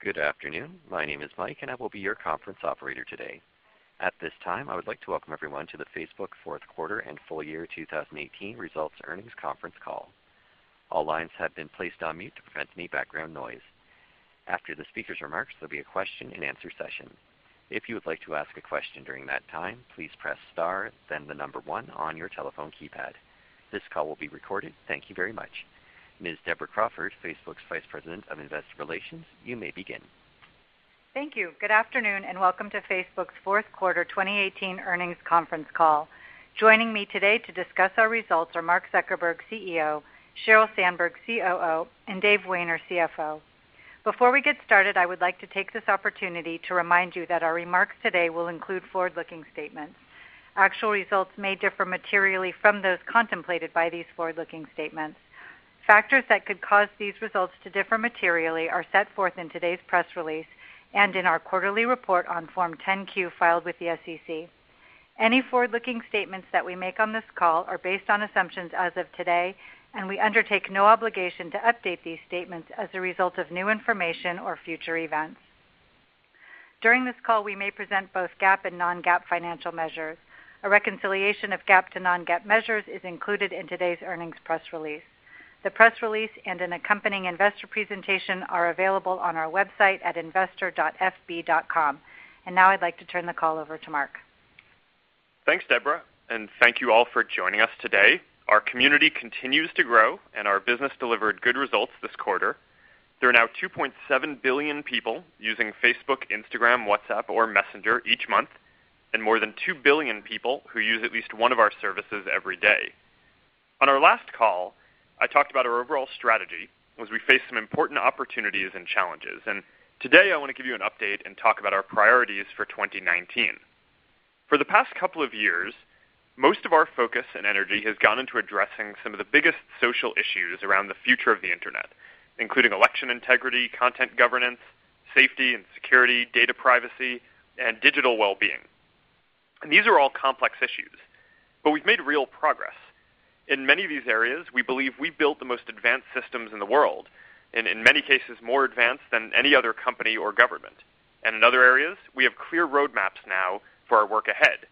Good afternoon. My name is Mike, I will be your conference operator today. At this time, I would like to welcome everyone to the Facebook Fourth Quarter and Full Year 2018 Results Earnings Conference Call. All lines have been placed on mute to prevent any background noise. After the speakers' remarks, there'll be a question and answer session. If you would like to ask a question during that time, please press star, then the number one on your telephone keypad. This call will be recorded. Thank you very much. Deborah Crawford, Facebook's Vice President of Investor Relations, you may begin. Thank you. Good afternoon, welcome to Facebook's Fourth Quarter 2018 earnings conference call. Joining me today to discuss our results are Mark Zuckerberg; CEO, Sheryl Sandberg; COO, and Dave Wehner; CFO. Before we get started, I would like to take this opportunity to remind you that our remarks today will include forward-looking statements. Actual results may differ materially from those contemplated by these forward-looking statements. Factors that could cause these results to differ materially are set forth in today's press release and in our quarterly report on Form 10-Q filed with the SEC. Any forward-looking statements that we make on this call are based on assumptions as of today, we undertake no obligation to update these statements as a result of new information or future events. During this call, we may present both GAAP and non-GAAP financial measures. A reconciliation of GAAP to non-GAAP measures is included in today's earnings press release. The press release and an accompanying investor presentation are available on our website at investor.fb.com. Now I'd like to turn the call over to Mark. Thanks, Deborah, and thank you all for joining us today. Our community continues to grow and our business delivered good results this quarter. There are now 2.7 billion people using Facebook, Instagram, WhatsApp, or Messenger each month, and more than two billion people who use at least one of our services every day. On our last call, I talked about our overall strategy as we face some important opportunities and challenges. Today, I want to give you an update and talk about our priorities for 2019. For the past couple of years, most of our focus and energy has gone into addressing some of the biggest social issues around the future of the internet, including election integrity, content governance, safety and security, data privacy, and digital wellbeing. These are all complex issues, but we've made real progress. In many of these areas, we believe we built the most advanced systems in the world, and in many cases, more advanced than any other company or government. In other areas, we have clear roadmaps now for our work ahead.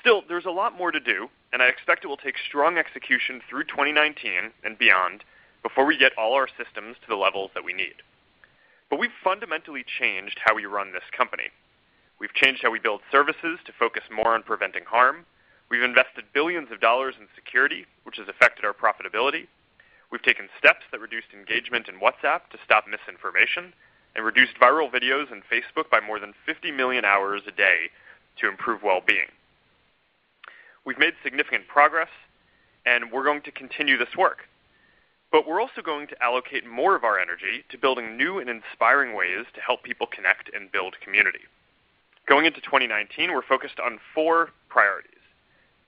Still, there's a lot more to do, and I expect it will take strong execution through 2019 and beyond before we get all our systems to the levels that we need. We've fundamentally changed how we run this company. We've changed how we build services to focus more on preventing harm. We've invested billions of dollars in security, which has affected our profitability. We've taken steps that reduced engagement in WhatsApp to stop misinformation and reduced viral videos on Facebook by more than 50 million hours a day to improve wellbeing. We've made significant progress and we're going to continue this work, we're also going to allocate more of our energy to building new and inspiring ways to help people connect and build community. Going into 2019, we're focused on four priorities.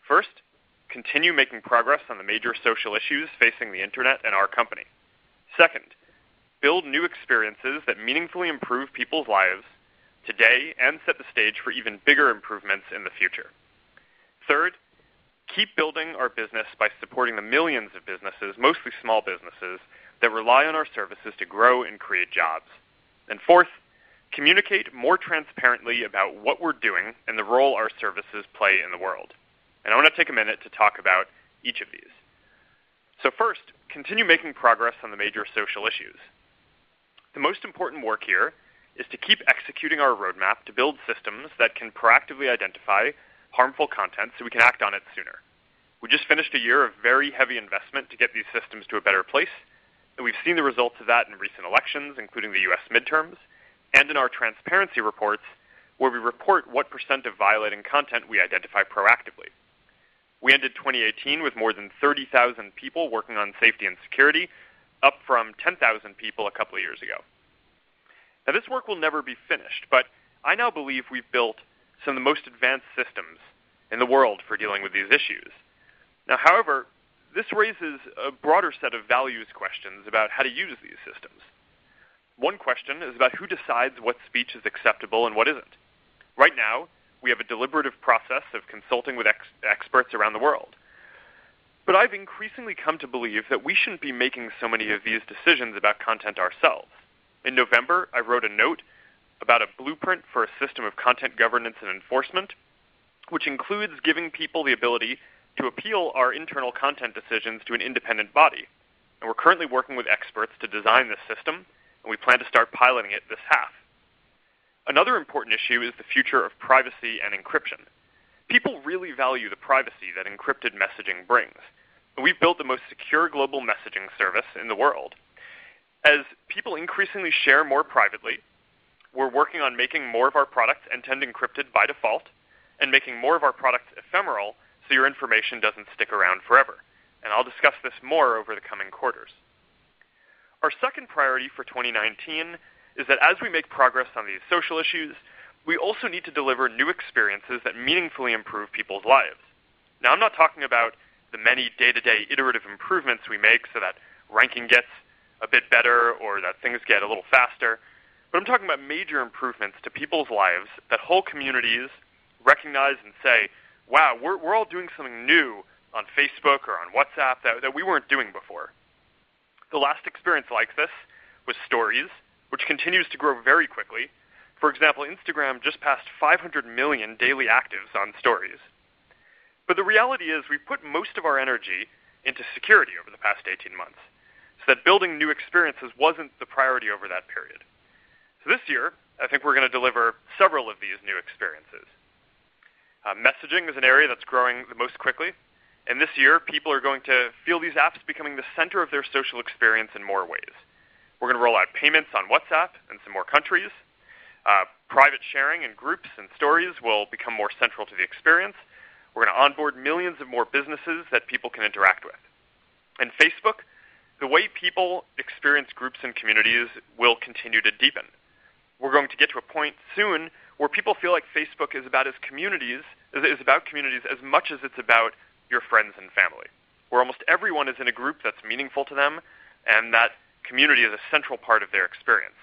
First, continue making progress on the major social issues facing the internet and our company. Second, build new experiences that meaningfully improve people's lives today and set the stage for even bigger improvements in the future. Third, keep building our business by supporting the millions of businesses, mostly small businesses, that rely on our services to grow and create jobs. Fourth, communicate more transparently about what we're doing and the role our services play in the world. I want to take a minute to talk about each of these. First, continue making progress on the major social issues. The most important work here is to keep executing our roadmap to build systems that can proactively identify harmful content so we can act on it sooner. We just finished a year of very heavy investment to get these systems to a better place, we've seen the results of that in recent elections, including the U.S. midterms and in our transparency reports, where we report what % of violating content we identify proactively. We ended 2018 with more than 30,000 people working on safety and security, up from 10,000 people a couple of years ago. Now, this work will never be finished, I now believe we've built some of the most advanced systems in the world for dealing with these issues. Now, however, this raises a broader set of values questions about how to use these systems. One question is about who decides what speech is acceptable and what isn't. Right now, we have a deliberative process of consulting with experts around the world, I've increasingly come to believe that we shouldn't be making so many of these decisions about content ourselves. In November, I wrote a note about a blueprint for a system of content governance and enforcement, which includes giving people the ability to appeal our internal content decisions to an independent body. We're currently working with experts to design this system, we plan to start piloting it this half. Another important issue is the future of privacy and encryption. People really value the privacy that encrypted messaging brings, we've built the most secure global messaging service in the world. As people increasingly share more privately, we're working on making more of our products end-to-end encrypted by default and making more of our products ephemeral so your information doesn't stick around forever. I'll discuss this more over the coming quarters. Our second priority for 2019 is that as we make progress on these social issues, we also need to deliver new experiences that meaningfully improve people's lives. I'm not talking about the many day-to-day iterative improvements we make so that ranking gets a bit better or that things get a little faster. But I'm talking about major improvements to people's lives that whole communities recognize and say, "Wow, we're all doing something new on Facebook or on WhatsApp that we weren't doing before." The last experience like this was Stories, which continues to grow very quickly. For example, Instagram just passed 500 million daily actives on Stories. The reality is we put most of our energy into security over the past 18 months, so that building new experiences wasn't the priority over that period. This year, I think we're going to deliver several of these new experiences. Messaging is an area that's growing the most quickly, and this year people are going to feel these apps becoming the center of their social experience in more ways. We're going to roll out payments on WhatsApp in some more countries. Private sharing in Groups and Stories will become more central to the experience. We're going to onboard millions of more businesses that people can interact with. In Facebook, the way people experience groups and communities will continue to deepen. We're going to get to a point soon where people feel like Facebook is about communities as much as it's about your friends and family, where almost everyone is in a group that's meaningful to them, and that community is a central part of their experience.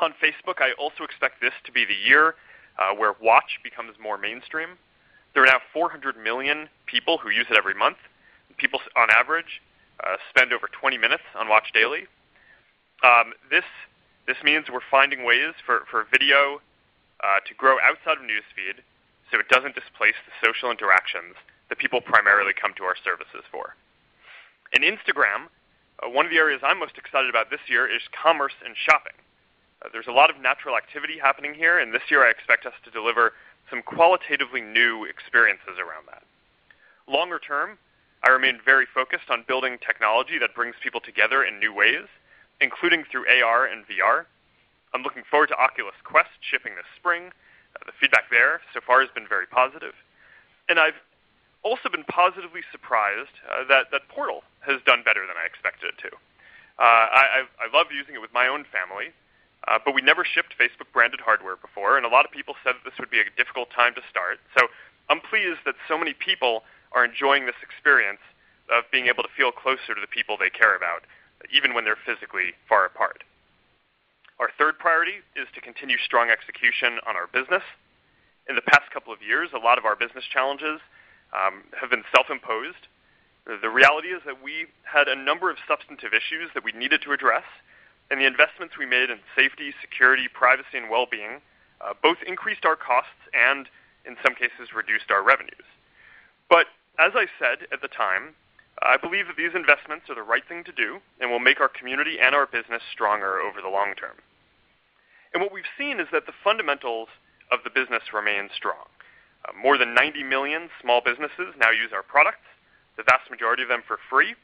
On Facebook, I also expect this to be the year where Watch becomes more mainstream. There are now 400 million people who use it every month. People, on average, spend over 20 minutes on Watch daily. This means we're finding ways for video to grow outside of News Feed so it doesn't displace the social interactions that people primarily come to our services for. In Instagram, one of the areas I'm most excited about this year is commerce and shopping. There's a lot of natural activity happening here, and this year I expect us to deliver some qualitatively new experiences around that. Longer term, I remain very focused on building technology that brings people together in new ways, including through AR and VR. I'm looking forward to Oculus Quest shipping this spring. The feedback there so far has been very positive, and I've also been positively surprised that Portal has done better than I expected it to. I love using it with my own family, but we never shipped Facebook-branded hardware before, and a lot of people said that this would be a difficult time to start. I'm pleased that so many people are enjoying this experience of being able to feel closer to the people they care about, even when they're physically far apart. Our third priority is to continue strong execution on our business. In the past couple of years, a lot of our business challenges have been self-imposed. The reality is that we had a number of substantive issues that we needed to address, and the investments we made in safety, security, privacy, and well-being both increased our costs and, in some cases, reduced our revenues. As I said at the time, I believe that these investments are the right thing to do and will make our community and our business stronger over the long term. What we've seen is that the fundamentals of the business remain strong. More than 90 million small businesses now use our products, the vast majority of them for free.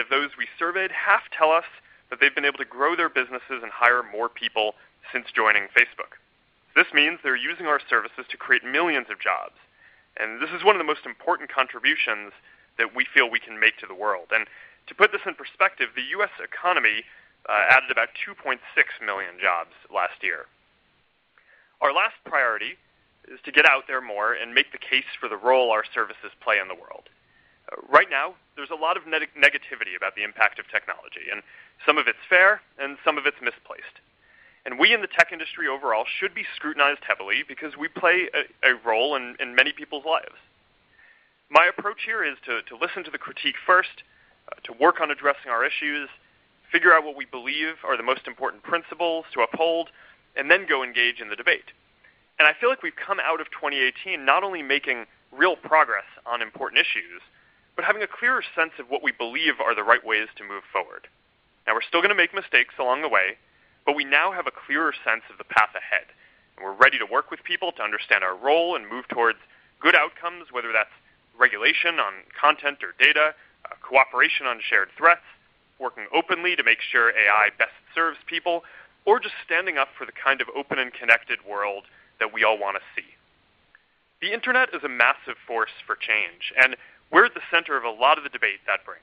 Of those we surveyed, half tell us that they've been able to grow their businesses and hire more people since joining Facebook. This means they're using our services to create millions of jobs, this is one of the most important contributions that we feel we can make to the world. To put this in perspective, the U.S. economy added about 2.6 million jobs last year. Our last priority is to get out there more and make the case for the role our services play in the world. Right now, there's a lot of negativity about the impact of technology, some of it's fair, and some of it's misplaced. We in the tech industry overall should be scrutinized heavily because we play a role in many people's lives. My approach here is to listen to the critique first, to work on addressing our issues, figure out what we believe are the most important principles to uphold, then go engage in the debate. I feel like we've come out of 2018 not only making real progress on important issues, having a clearer sense of what we believe are the right ways to move forward. Now, we're still going to make mistakes along the way, we now have a clearer sense of the path ahead, we're ready to work with people to understand our role and move towards good outcomes, whether that's regulation on content or data, cooperation on shared threats, working openly to make sure AI best serves people, or just standing up for the kind of open and connected world that we all want to see. The internet is a massive force for change, we're at the center of a lot of the debate that brings.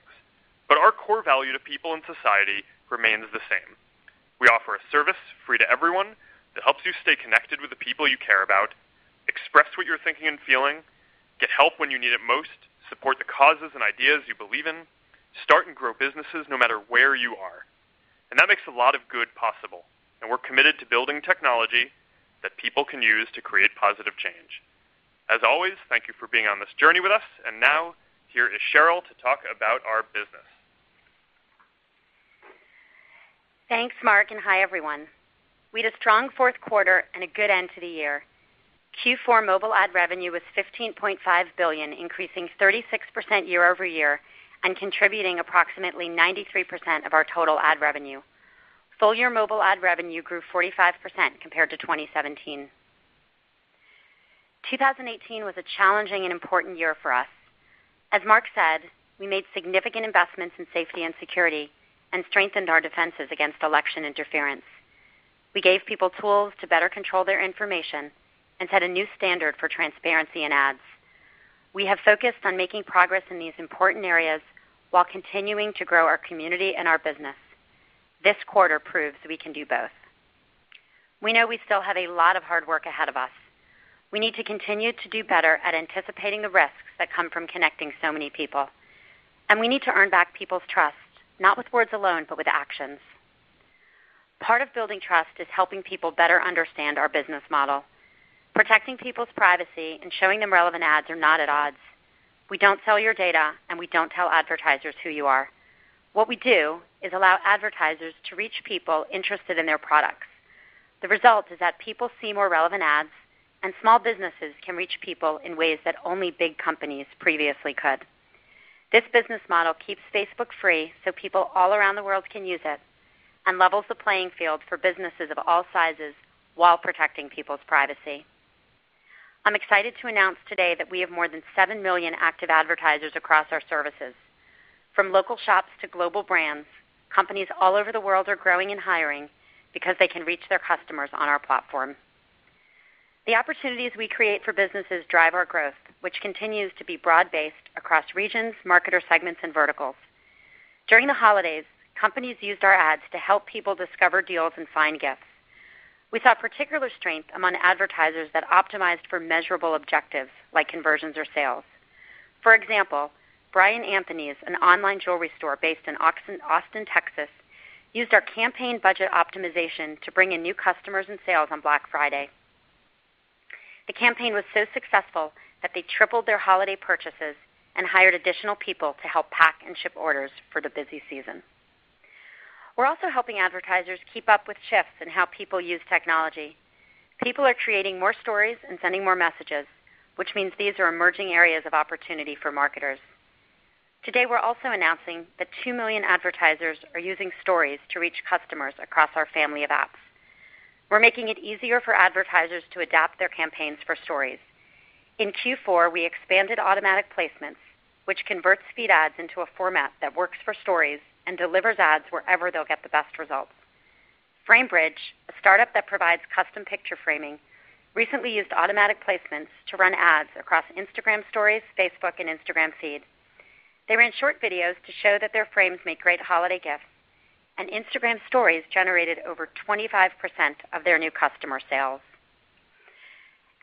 Our core value to people in society remains the same. We offer a service, free to everyone, that helps you stay connected with the people you care about, express what you're thinking and feeling, get help when you need it most, support the causes and ideas you believe in, start and grow businesses no matter where you are. That makes a lot of good possible, we're committed to building technology that people can use to create positive change. As always, thank you for being on this journey with us. Now, here is Sheryl to talk about our business. Thanks, Mark. Hi, everyone. We had a strong fourth quarter and a good end to the year. Q4 mobile ad revenue was $15.5 billion, increasing 36% year-over-year and contributing approximately 93% of our total ad revenue. Full year mobile ad revenue grew 45% compared to 2017. 2018 was a challenging and important year for us. As Mark said, we made significant investments in safety and security and strengthened our defenses against election interference. We gave people tools to better control their information and set a new standard for transparency in ads. We have focused on making progress in these important areas while continuing to grow our community and our business. This quarter proves we can do both. We know we still have a lot of hard work ahead of us. We need to continue to do better at anticipating the risks that come from connecting so many people. We need to earn back people's trust, not with words alone, but with actions. Part of building trust is helping people better understand our business model. Protecting people's privacy and showing them relevant ads are not at odds. We don't sell your data, and we don't tell advertisers who you are. What we do is allow advertisers to reach people interested in their products. The result is that people see more relevant ads, and small businesses can reach people in ways that only big companies previously could. This business model keeps Facebook free so people all around the world can use it, and levels the playing field for businesses of all sizes while protecting people's privacy. I'm excited to announce today that we have more than 7 million active advertisers across our services. From local shops to global brands, companies all over the world are growing and hiring because they can reach their customers on our platform. The opportunities we create for businesses drive our growth, which continues to be broad-based across regions, marketer segments, and verticals. During the holidays, companies used our ads to help people discover deals and find gifts. We saw particular strength among advertisers that optimized for measurable objectives, like conversions or sales. For example, Bryan Anthonys, an online jewelry store based in Austin, Texas, used our campaign budget optimization to bring in new customers and sales on Black Friday. The campaign was so successful that they tripled their holiday purchases and hired additional people to help pack and ship orders for the busy season. We're also helping advertisers keep up with shifts in how people use technology. People are creating more Stories and sending more messages, which means these are emerging areas of opportunity for marketers. Today, we're also announcing that 2 million advertisers are using Stories to reach customers across our family of apps. We're making it easier for advertisers to adapt their campaigns for Stories. In Q4, we expanded automatic placements, which converts feed ads into a format that works for Stories and delivers ads wherever they'll get the best results. Framebridge, a startup that provides custom picture framing, recently used automatic placements to run ads across Instagram Stories, Facebook, and Instagram Feed. They ran short videos to show that their frames make great holiday gifts, and Instagram Stories generated over 25% of their new customer sales.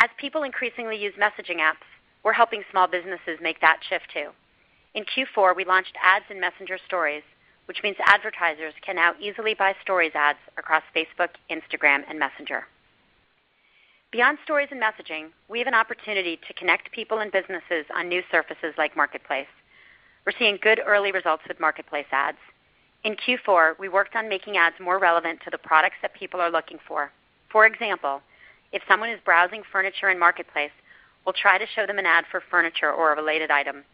As people increasingly use messaging apps, we're helping small businesses make that shift, too. In Q4, we launched ads in Messenger Stories, which means advertisers can now easily buy Stories ads across Facebook, Instagram, and Messenger. Beyond Stories and messaging, we have an opportunity to connect people and businesses on new surfaces like Marketplace. We're seeing good early results with Marketplace ads. In Q4, we worked on making ads more relevant to the products that people are looking for. For example, if someone is browsing furniture in Marketplace, we'll try to show them an ad for furniture or a related item.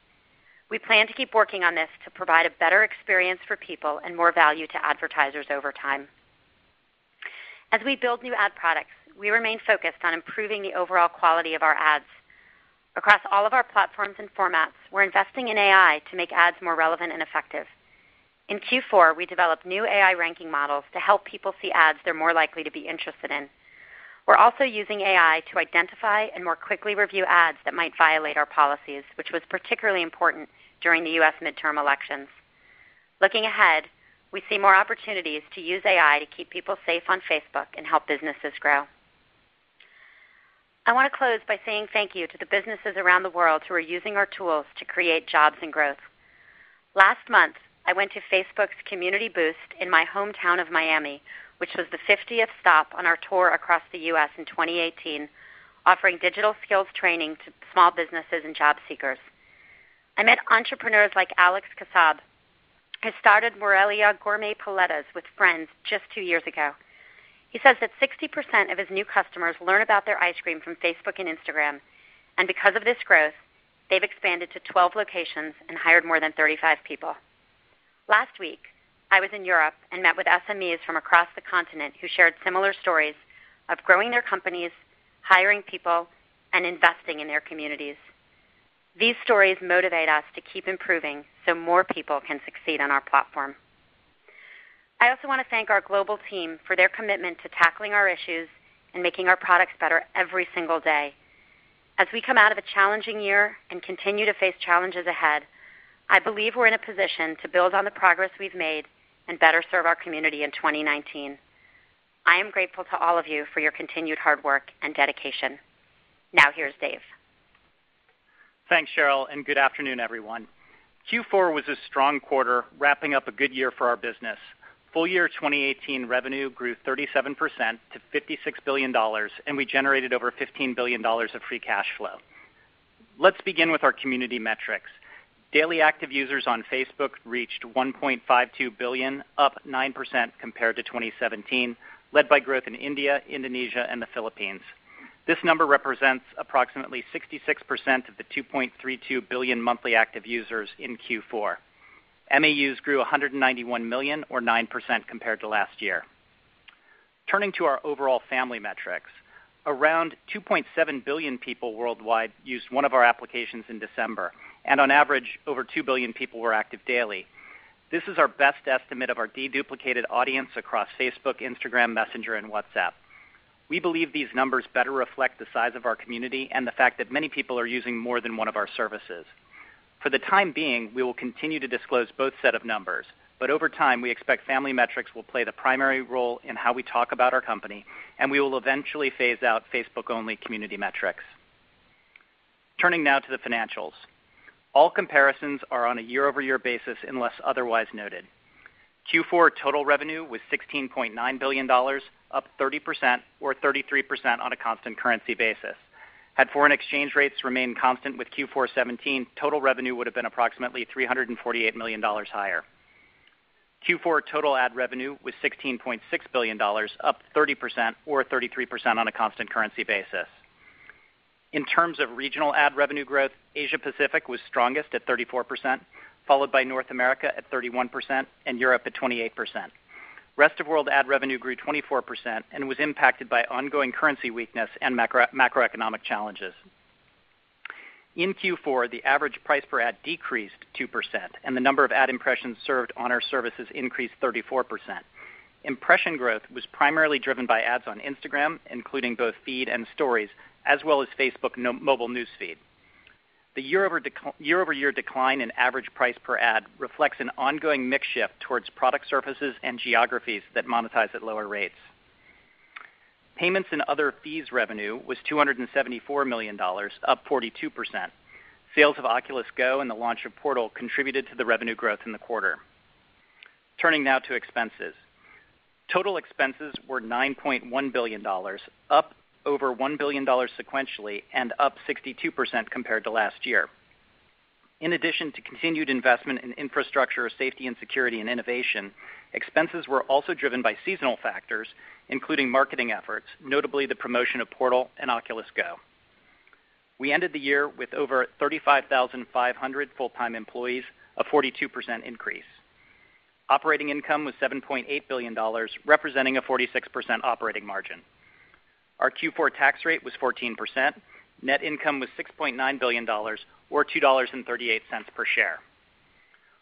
We plan to keep working on this to provide a better experience for people and more value to advertisers over time. As we build new ad products, we remain focused on improving the overall quality of our ads. Across all of our platforms and formats, we're investing in AI to make ads more relevant and effective. In Q4, we developed new AI ranking models to help people see ads they're more likely to be interested in. We're also using AI to identify and more quickly review ads that might violate our policies, which was particularly important during the U.S. midterm elections. Looking ahead, we see more opportunities to use AI to keep people safe on Facebook and help businesses grow. I want to close by saying thank you to the businesses around the world who are using our tools to create jobs and growth. Last month, I went to Facebook's Community Boost in my hometown of Miami, which was the 50th stop on our tour across the U.S. in 2018, offering digital skills training to small businesses and job seekers. I met entrepreneurs like Alex Kassab, who started Morelia Gourmet Paletas with friends just two years ago. He says that 60% of his new customers learn about their ice cream from Facebook and Instagram, and because of this growth, they've expanded to 12 locations and hired more than 35 people. Last week, I was in Europe and met with SMEs from across the continent who shared similar stories of growing their companies, hiring people, and investing in their communities. These stories motivate us to keep improving so more people can succeed on our platform. I also want to thank our global team for their commitment to tackling our issues and making our products better every single day. As we come out of a challenging year and continue to face challenges ahead, I believe we're in a position to build on the progress we've made and better serve our community in 2019. I am grateful to all of you for your continued hard work and dedication. Now, here's Dave. Thanks, Sheryl, and good afternoon, everyone. Q4 was a strong quarter, wrapping up a good year for our business. Full year 2018 revenue grew 37% to $56 billion, and we generated over $15 billion of free cash flow. Let's begin with our community metrics. Daily active users on Facebook reached 1.52 billion, up 9% compared to 2017, led by growth in India, Indonesia, and the Philippines. This number represents approximately 66% of the 2.32 billion monthly active users in Q4. MAUs grew 191 million or 9% compared to last year. Turning to our overall family metrics, around 2.7 billion people worldwide used one of our applications in December, and on average, over 2 billion people were active daily. This is our best estimate of our de-duplicated audience across Facebook, Instagram, Messenger, and WhatsApp. We believe these numbers better reflect the size of our community and the fact that many people are using more than one of our services. For the time being, we will continue to disclose both set of numbers, but over time, we expect family metrics will play the primary role in how we talk about our company, and we will eventually phase out Facebook-only community metrics. Turning now to the financials. All comparisons are on a year-over-year basis unless otherwise noted. Q4 total revenue was $16.9 billion, up 30% or 33% on a constant currency basis. Had foreign exchange rates remained constant with Q4 2017, total revenue would've been approximately $348 million higher. Q4 total ad revenue was $16.6 billion, up 30% or 33% on a constant currency basis. In terms of regional ad revenue growth, Asia Pacific was strongest at 34%, followed by North America at 31% and Europe at 28%. Rest of world ad revenue grew 24% and was impacted by ongoing currency weakness and macroeconomic challenges. In Q4, the average price per ad decreased 2% and the number of ad impressions served on our services increased 34%. Impression growth was primarily driven by ads on Instagram, including both feed and Stories, as well as Facebook mobile News Feed. The year-over-year decline in average price per ad reflects an ongoing mix shift towards product services and geographies that monetize at lower rates. Payments and other fees revenue was $274 million, up 42%. Sales of Oculus Go and the launch of Portal contributed to the revenue growth in the quarter. Turning now to expenses. Total expenses were $9.1 billion, up over $1 billion sequentially and up 62% compared to last year. In addition to continued investment in infrastructure, safety and security, and innovation, expenses were also driven by seasonal factors, including marketing efforts, notably the promotion of Portal and Oculus Go. We ended the year with over 35,500 full-time employees, a 42% increase. Operating income was $7.8 billion, representing a 46% operating margin. Our Q4 tax rate was 14%. Net income was $6.9 billion or $2.38 per share.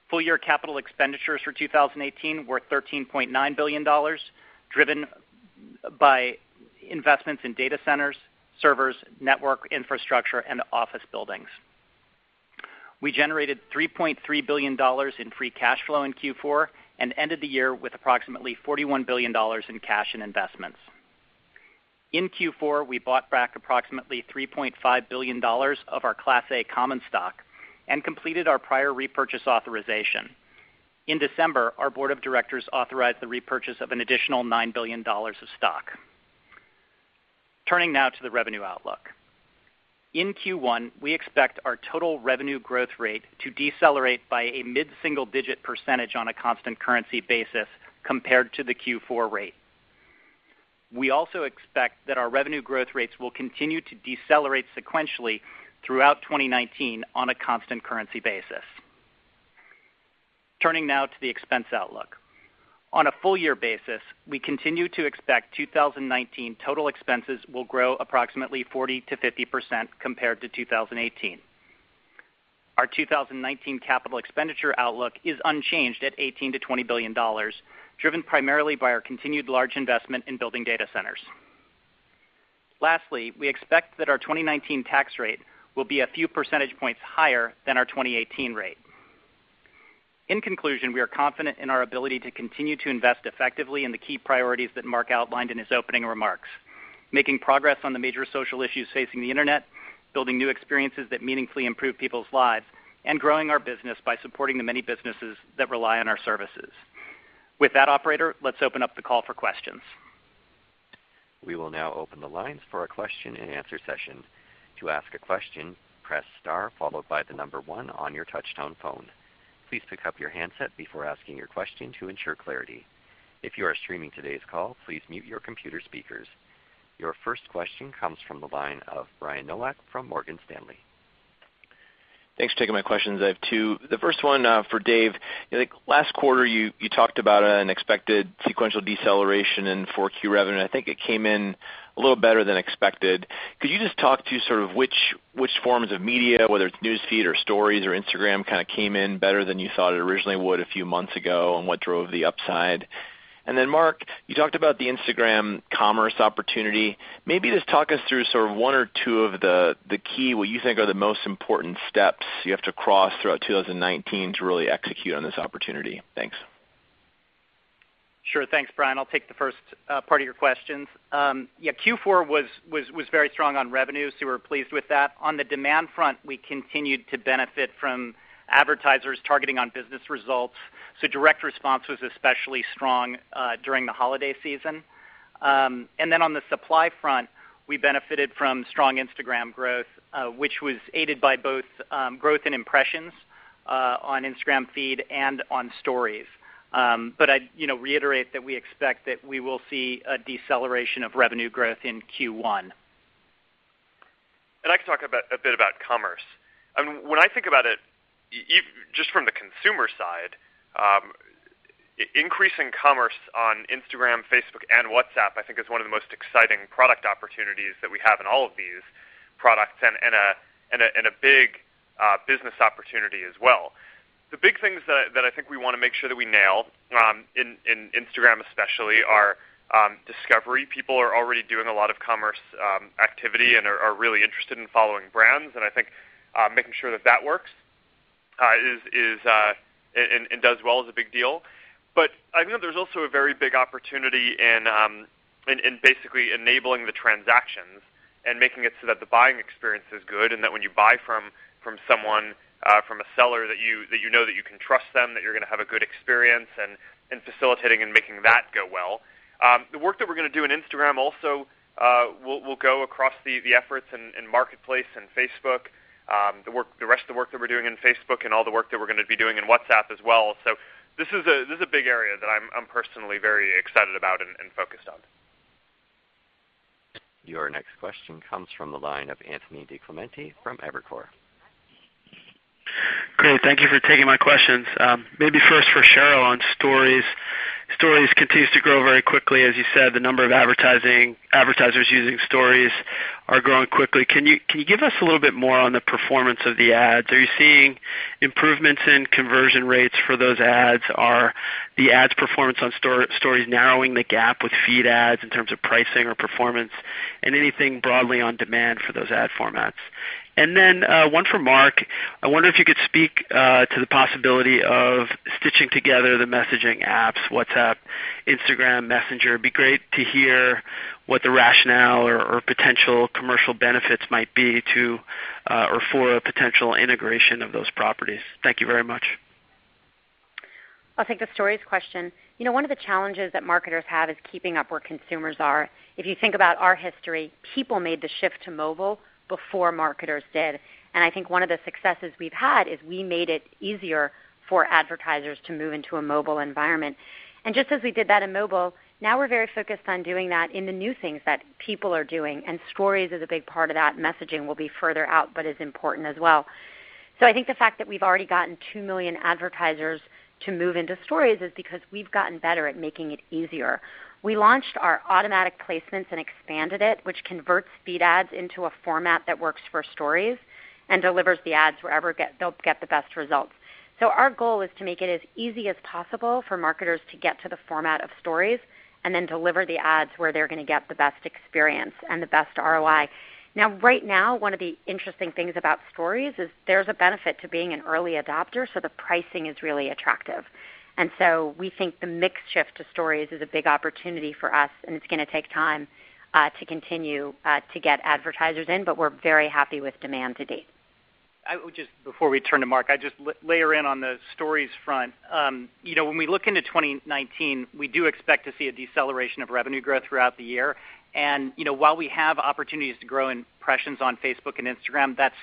Full-year capital expenditures for 2018 were $13.9 billion, driven by investments in data centers, servers, network infrastructure, and office buildings. We generated $3.3 billion in free cash flow in Q4 and ended the year with approximately $41 billion in cash and investments. In Q4, we bought back approximately $3.5 billion of our Class A common stock and completed our prior repurchase authorization. In December, our board of directors authorized the repurchase of an additional $9 billion of stock. Turning now to the revenue outlook. In Q1, we expect our total revenue growth rate to decelerate by a mid-single-digit percentage on a constant currency basis compared to the Q4 rate. We also expect that our revenue growth rates will continue to decelerate sequentially throughout 2019 on a constant currency basis. Turning now to the expense outlook. On a full year basis, we continue to expect 2019 total expenses will grow approximately 40%-50% compared to 2018. Our 2019 capital expenditure outlook is unchanged at $18 billion-$20 billion, driven primarily by our continued large investment in building data centers. Lastly, we expect that our 2019 tax rate will be a few percentage points higher than our 2018 rate. In conclusion, we are confident in our ability to continue to invest effectively in the key priorities that Mark outlined in his opening remarks, making progress on the major social issues facing the internet, building new experiences that meaningfully improve people's lives, and growing our business by supporting the many businesses that rely on our services. With that, operator, let's open up the call for questions. We will now open the lines for a question and answer session. To ask a question, press star followed by the number one on your touch-tone phone. Please pick up your handset before asking your question to ensure clarity. If you are streaming today's call, please mute your computer speakers. Your first question comes from the line of Brian Nowak from Morgan Stanley. Thanks for taking my questions. I have two. The first one for Dave. I think last quarter you talked about an expected sequential deceleration in 4Q revenue, and I think it came in a little better than expected. Could you just talk to sort of which forms of media, whether it's News Feed or Stories or Instagram, kind of came in better than you thought it originally would a few months ago, and what drove the upside? Then Mark, you talked about the Instagram commerce opportunity. Maybe just talk us through sort of one or two of the key, what you think are the most important steps you have to cross throughout 2019 to really execute on this opportunity. Thanks. Sure. Thanks, Brian. I'll take the first part of your questions. Q4 was very strong on revenues, we're pleased with that. On the demand front, we continued to benefit from advertisers targeting on business results, direct response was especially strong during the holiday season. On the supply front, we benefited from strong Instagram growth, which was aided by both growth and impressions on Instagram feed and on Stories. I'd reiterate that we expect that we will see a deceleration of revenue growth in Q1. I can talk a bit about commerce. When I think about it, just from the consumer side, increasing commerce on Instagram, Facebook, and WhatsApp, I think, is one of the most exciting product opportunities that we have in all of these products, and a big business opportunity as well. The big things that I think we want to make sure that we nail, in Instagram especially, are discovery. People are already doing a lot of commerce activity and are really interested in following brands, I think making sure that that works and does well is a big deal. I think that there's also a very big opportunity in basically enabling the transactions and making it so that the buying experience is good, that when you buy from a seller that you know that you can trust them, that you're going to have a good experience, facilitating and making that go well. The work that we're going to do in Instagram also will go across the efforts in Marketplace and Facebook. The rest of the work that we're doing in Facebook and all the work that we're going to be doing in WhatsApp as well. This is a big area that I'm personally very excited about and focused on. Your next question comes from the line of Anthony DiClemente from Evercore. Great. Thank you for taking my questions. Maybe first for Sheryl on Stories. Stories continues to grow very quickly. As you said, the number of advertisers using Stories are growing quickly. Can you give us a little bit more on the performance of the ads? Are you seeing improvements in conversion rates for those ads? Are the ads' performance on Stories narrowing the gap with feed ads in terms of pricing or performance? Anything broadly on demand for those ad formats? One for Mark. I wonder if you could speak to the possibility of stitching together the messaging apps, WhatsApp, Instagram, Messenger. It'd be great to hear what the rationale or potential commercial benefits might be for a potential integration of those properties. Thank you very much. I'll take the Stories question. One of the challenges that marketers have is keeping up where consumers are. If you think about our history, people made the shift to mobile before marketers did. I think one of the successes we've had is we made it easier for advertisers to move into a mobile environment. Just as we did that in mobile, now we're very focused on doing that in the new things that people are doing, and Stories is a big part of that. Messaging will be further out, but is important as well. I think the fact that we've already gotten 2 million advertisers to move into Stories is because we've gotten better at making it easier. We launched our automatic placements and expanded it, which converts feed ads into a format that works for Stories and delivers the ads wherever they'll get the best results. Our goal is to make it as easy as possible for marketers to get to the format of Stories, then deliver the ads where they're going to get the best experience and the best ROI. Right now, one of the interesting things about Stories is there's a benefit to being an early adopter, so the pricing is really attractive. We think the mix shift to Stories is a big opportunity for us, and it's going to take time to continue to get advertisers in, but we're very happy with demand to date. Just before we turn to Mark, I'd just layer in on the Stories front. When we look into 2019, we do expect to see a deceleration of revenue growth throughout the year. While we have opportunities to grow impressions on Facebook and Instagram, that's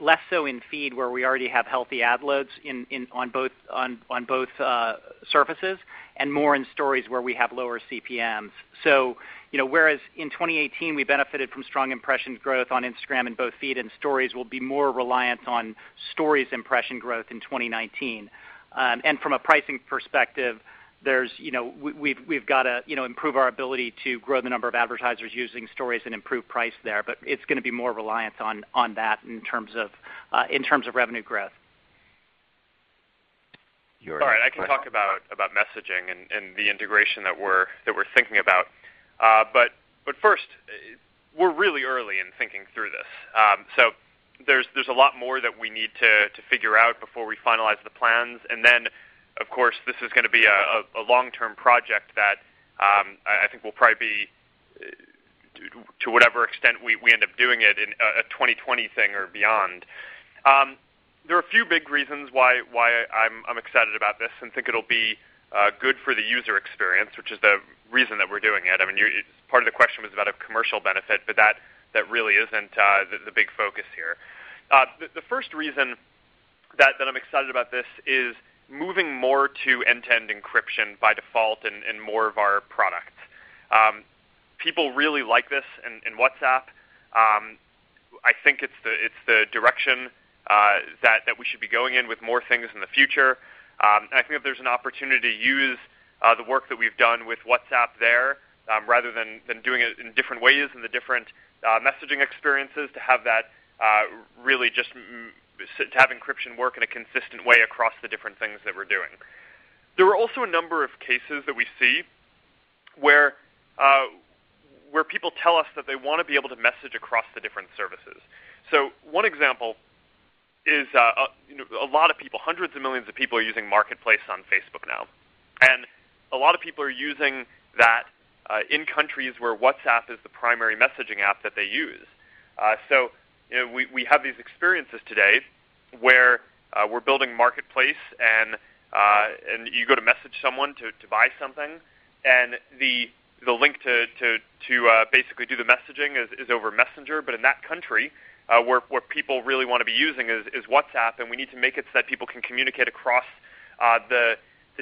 less so in feed where we already have healthy ad loads on both surfaces, and more in Stories where we have lower CPMs. Whereas in 2018, we benefited from strong impression growth on Instagram in both feed and Stories, we'll be more reliant on Stories impression growth in 2019. From a pricing perspective, we've got to improve our ability to grow the number of advertisers using Stories and improve price there, but it's going to be more reliant on that in terms of revenue growth. All right. I can talk about messaging and the integration that we're thinking about. First, we're really early in thinking through this. There's a lot more that we need to figure out before we finalize the plans. Then, of course, this is going to be a long-term project that I think will probably be, to whatever extent we end up doing it, a 2020 thing or beyond. There are a few big reasons why I'm excited about this and think it'll be good for the user experience, which is the reason that we're doing it. Part of the question was about a commercial benefit, but that really isn't the big focus here. The first reason that I'm excited about this is moving more to end-to-end encryption by default in more of our products. People really like this in WhatsApp. I think it's the direction that we should be going in with more things in the future. I think that there's an opportunity to use the work that we've done with WhatsApp there, rather than doing it in different ways in the different messaging experiences to have encryption work in a consistent way across the different things that we're doing. There are also a number of cases that we see where people tell us that they want to be able to message across the different services. One example is hundreds of millions of people are using Marketplace on Facebook now. A lot of people are using that in countries where WhatsApp is the primary messaging app that they use. We have these experiences today where we're building Marketplace and you go to message someone to buy something, and the link to basically do the messaging is over Messenger. In that country, where people really want to be using is WhatsApp, and we need to make it so that people can communicate across the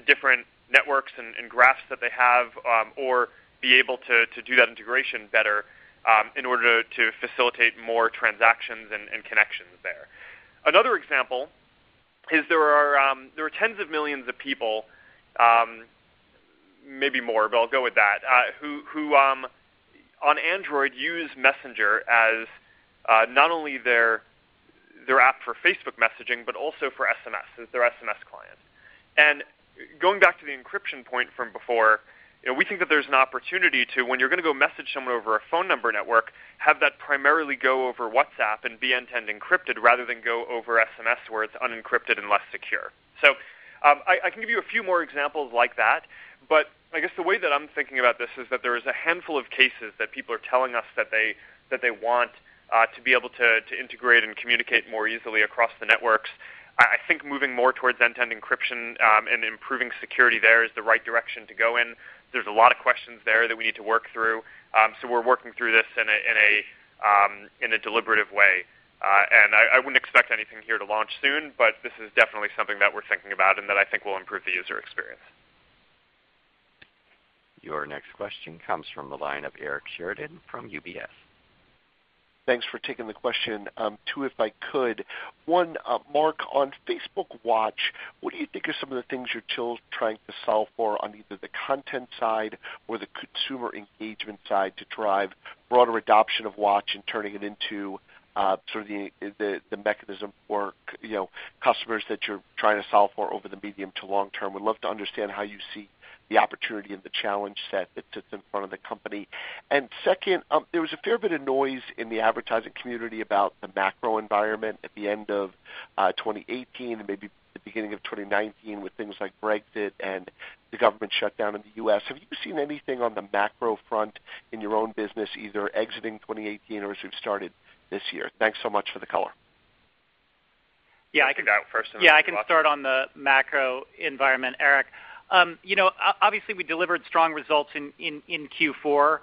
different networks and graphs that they have, or be able to do that integration better in order to facilitate more transactions and connections there. Another example is there are tens of millions of people. Maybe more, but I'll go with that. Who on Android use Messenger as not only their app for Facebook messaging, but also for SMS, as their SMS client. Going back to the encryption point from before, we think that there's an opportunity to, when you're going to go message someone over a phone number network, have that primarily go over WhatsApp and be end-to-end encrypted rather than go over SMS where it's unencrypted and less secure. I can give you a few more examples like that. I guess the way that I'm thinking about this is that there is a handful of cases that people are telling us that they want to be able to integrate and communicate more easily across the networks. I think moving more towards end-to-end encryption and improving security there is the right direction to go in. There's a lot of questions there that we need to work through. We're working through this in a deliberative way. I wouldn't expect anything here to launch soon, but this is definitely something that we're thinking about and that I think will improve the user experience. Your next question comes from the line of Eric Sheridan from UBS. Thanks for taking the question. Two, if I could. One, Mark, on Facebook Watch, what do you think are some of the things you're still trying to solve for on either the content side or the consumer engagement side to drive broader adoption of Watch and turning it into sort of the mechanism for customers that you're trying to solve for over the medium to long term? Would love to understand how you see the opportunity and the challenge set that sits in front of the company. Second, there was a fair bit of noise in the advertising community about the macro environment at the end of 2018 and maybe the beginning of 2019 with things like Brexit and the government shutdown in the U.S. Have you seen anything on the macro front in your own business, either exiting 2018 or as you've started this year? Thanks so much for the color. I can go first and then I can start on the macro environment, Eric. Obviously we delivered strong results in Q4.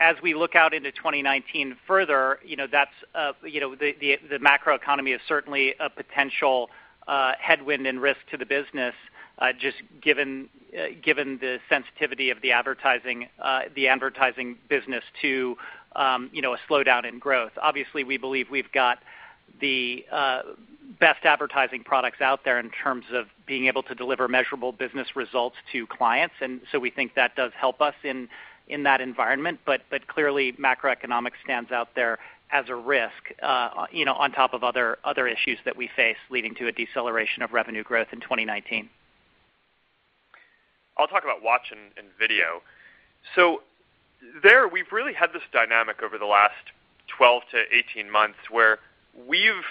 As we look out into 2019 further, the macroeconomy is certainly a potential headwind and risk to the business, just given the sensitivity of the advertising business to a slowdown in growth. Obviously, we believe we've got the best advertising products out there in terms of being able to deliver measurable business results to clients. We think that does help us in that environment. Clearly macroeconomic stands out there as a risk on top of other issues that we face leading to a deceleration of revenue growth in 2019. I'll talk about Watch and Video. There, we've really had this dynamic over the last 12 to 18 months where we've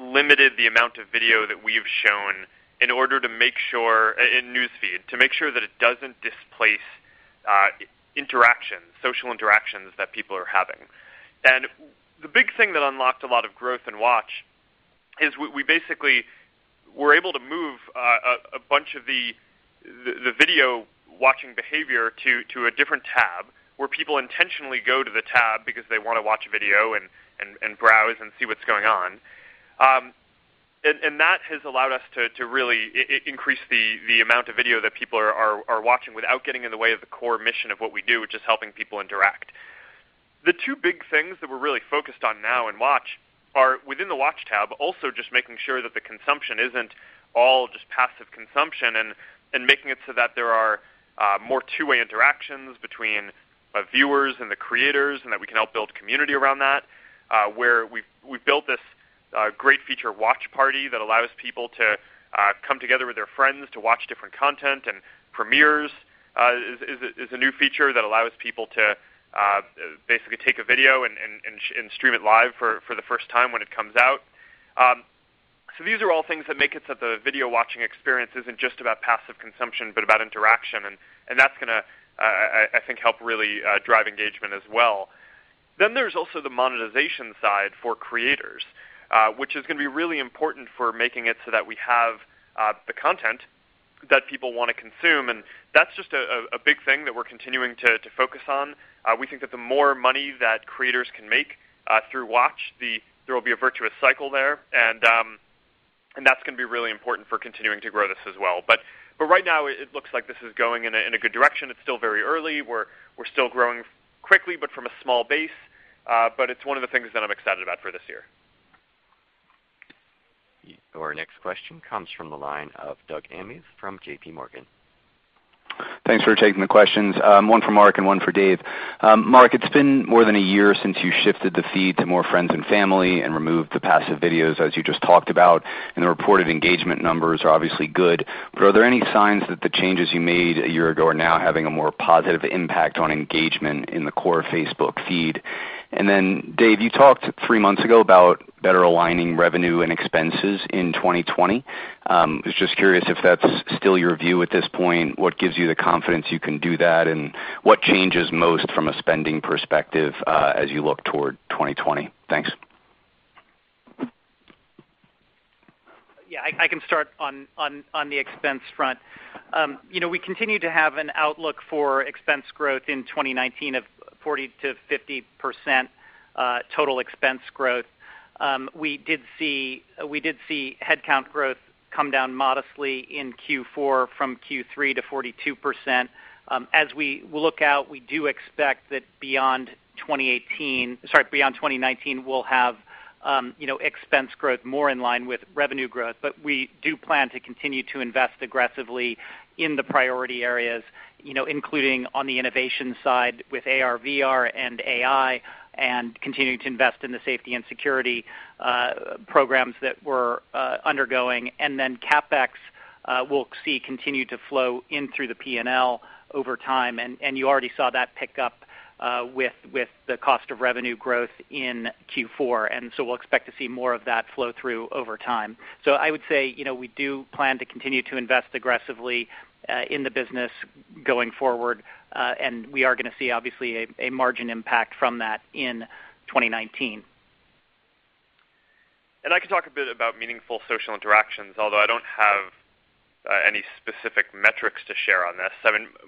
limited the amount of video that we've shown in News Feed to make sure that it doesn't displace social interactions that people are having. The big thing that unlocked a lot of growth in Watch is we basically were able to move a bunch of the video-watching behavior to a different tab where people intentionally go to the tab because they want to watch a video and browse and see what's going on. That has allowed us to really increase the amount of video that people are watching without getting in the way of the core mission of what we do, which is helping people interact. The two big things that we're really focused on now in Watch are within the Watch tab, also just making sure that the consumption isn't all just passive consumption and making it so that there are more two-way interactions between viewers and the creators, and that we can help build community around that. Where we've built this great feature, Watch Party, that allows people to come together with their friends to watch different content. Premieres is a new feature that allows people to basically take a video and stream it live for the first time when it comes out. These are all things that make it so the video-watching experience isn't just about passive consumption, but about interaction. That's going to, I think, help really drive engagement as well. There's also the monetization side for creators, which is going to be really important for making it so that we have the content that people want to consume. That's just a big thing that we're continuing to focus on. We think that the more money that creators can make through Watch, there will be a virtuous cycle there. That's going to be really important for continuing to grow this as well. Right now, it looks like this is going in a good direction. It's still very early. We're still growing quickly, but from a small base. It's one of the things that I'm excited about for this year. Our next question comes from the line of Doug Anmuth from JPMorgan. Thanks for taking the questions. One for Mark and one for Dave. Mark, it's been more than a year since you shifted the feed to more friends and family and removed the passive videos, as you just talked about, and the reported engagement numbers are obviously good. Are there any signs that the changes you made a year ago are now having a more positive impact on engagement in the core Facebook feed? Dave, you talked three months ago about better aligning revenue and expenses in 2020. I was just curious if that's still your view at this point. What gives you the confidence you can do that, and what changes most from a spending perspective as you look toward 2020? Thanks. Yeah, I can start on the expense front. We continue to have an outlook for expense growth in 2019 of 40%-50% total expense growth. We did see headcount growth come down modestly in Q4 from Q3 to 42%. As we look out, we do expect that beyond 2019, we'll have expense growth more in line with revenue growth. We do plan to continue to invest aggressively in the priority areas, including on the innovation side with AR, VR, and AI, and continue to invest in the safety and security programs that we're undergoing. CapEx, we'll see continue to flow in through the P&L over time. You already saw that pick up with the cost of revenue growth in Q4, we'll expect to see more of that flow through over time. I would say, we do plan to continue to invest aggressively in the business going forward. We are going to see, obviously, a margin impact from that in 2019. I can talk a bit about meaningful social interactions, although I don't have any specific metrics to share on this.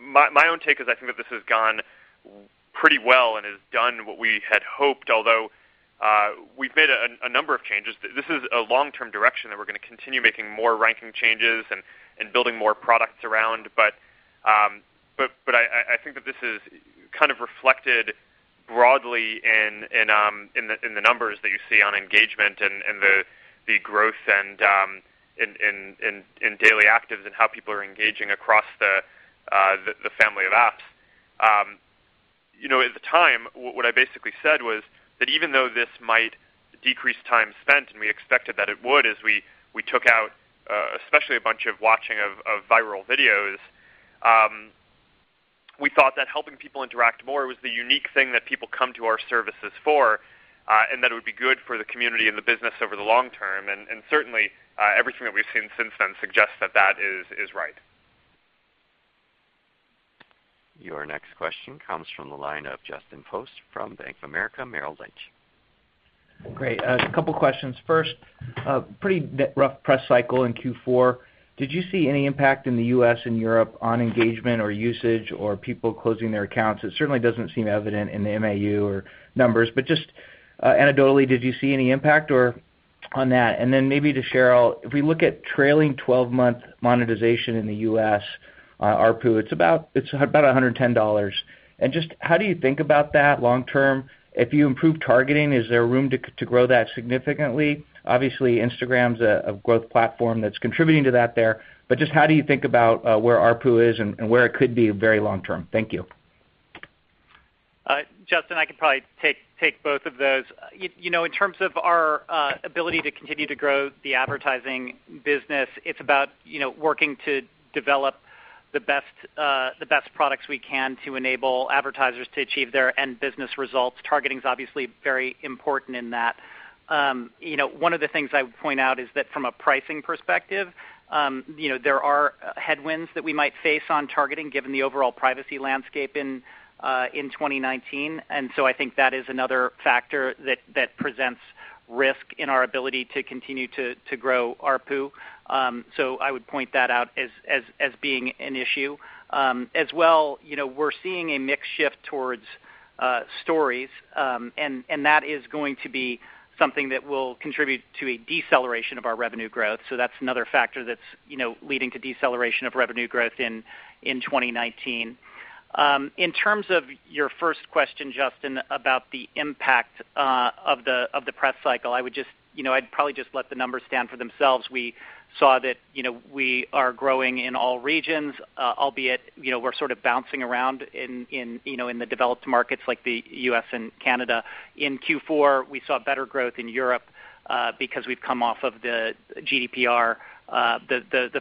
My own take is I think that this has gone pretty well and has done what we had hoped, although we've made a number of changes. This is a long-term direction that we're going to continue making more ranking changes and building more products around. I think that this is kind of reflected broadly in the numbers that you see on engagement and the growth in daily actives and how people are engaging across the family of apps. At the time, what I basically said was that even though this might decrease time spent, and we expected that it would, as we took out especially a bunch of watching of viral videos. We thought that helping people interact more was the unique thing that people come to our services for, and that it would be good for the community and the business over the long term. Certainly, everything that we've seen since then suggests that that is right. Your next question comes from the line of Justin Post from Bank of America Merrill Lynch. Great. A couple questions. First, pretty rough press cycle in Q4. Did you see any impact in the U.S. and Europe on engagement or usage or people closing their accounts? It certainly doesn't seem evident in the MAU or numbers, but just anecdotally, did you see any impact on that? Then maybe to Sheryl, if we look at trailing 12-month monetization in the U.S. ARPU, it's about $110. Just how do you think about that long term? If you improve targeting, is there room to grow that significantly? Obviously, Instagram's a growth platform that's contributing to that there, but just how do you think about where ARPU is and where it could be very long term? Thank you. Justin, I can probably take both of those. In terms of our ability to continue to grow the advertising business, it's about working to develop the best products we can to enable advertisers to achieve their end business results. Targeting's obviously very important in that. One of the things I would point out is that from a pricing perspective there are headwinds that we might face on targeting given the overall privacy landscape in 2019. I think that is another factor that presents risk in our ability to continue to grow ARPU. I would point that out as being an issue. As well, we're seeing a mix shift towards Stories, That is going to be something that will contribute to a deceleration of our revenue growth. That's another factor that's leading to deceleration of revenue growth in 2019. In terms of your first question, Justin, about the impact of the press cycle, I'd probably just let the numbers stand for themselves. We saw that we are growing in all regions, albeit we're sort of bouncing around in the developed markets like the U.S. and Canada. In Q4, we saw better growth in Europe because we've come off of the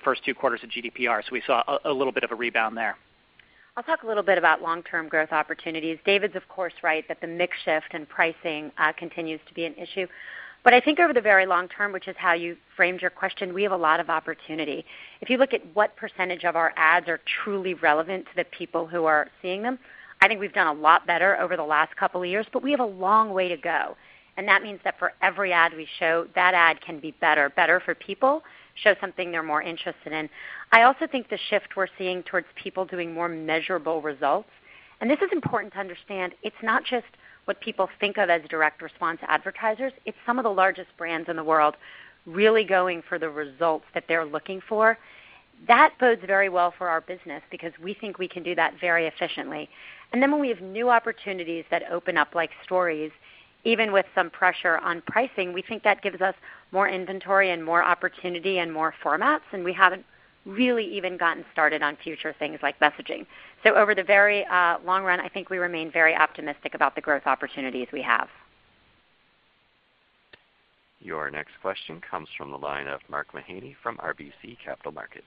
first two quarters of GDPR, We saw a little bit of a rebound there. I'll talk a little bit about long-term growth opportunities. David's of course, right, that the mix shift and pricing continues to be an issue. I think over the very long term, which is how you framed your question, we have a lot of opportunity. If you look at what percentage of our ads are truly relevant to the people who are seeing them, I think we've done a lot better over the last couple of years, but we have a long way to go. That means that for every ad we show, that ad can be better. Better for people, show something they're more interested in. I also think the shift we're seeing towards people doing more measurable results, and this is important to understand, it's not just what people think of as direct response advertisers. It's some of the largest brands in the world really going for the results that they're looking for. That bodes very well for our business because we think we can do that very efficiently. When we have new opportunities that open up, like Stories, even with some pressure on pricing, we think that gives us more inventory and more opportunity and more formats, and we haven't really even gotten started on future things like messaging. Over the very long run, I think we remain very optimistic about the growth opportunities we have. Your next question comes from the line of Mark Mahaney from RBC Capital Markets.